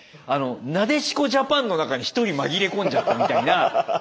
なでしこジャパンの中に一人紛れ込んじゃったみたいな。